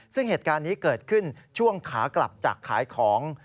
ซึ่งเหตุการณ์นี้เกิดขึ้นช่วงขากลับจากขายของ